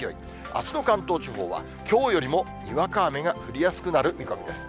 あすの関東地方は、きょうよりもにわか雨が降りやすくなる見込みです。